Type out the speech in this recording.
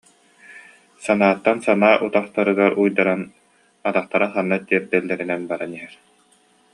Санааттан санаа утахтарыгар уйдаран атахтара ханна тиэрдэллэринэн баран иһэр